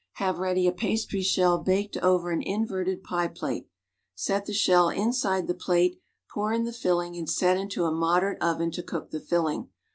Ha\'e ready a pastry shell baked over an inverted pie plate; set the shell inside the plate, pour in the filling and set into a moderate oven to cook the filling.